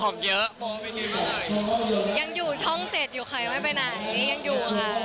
บ้านโบน่ะยังอยู่ช่อง๗อยู่ใครไม่ไปไหนยังอยู่ค่ะ